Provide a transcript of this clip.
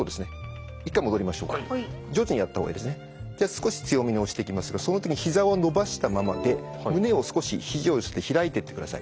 少し強めに押していきますがその時にひざを伸ばしたままで胸を少しひじを開いてってください。